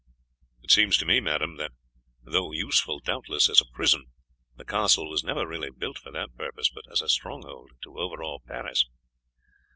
"It seems to me, madame, that, though useful doubtless as a prison, the castle was never really built for that purpose, but as a stronghold to overawe Paris."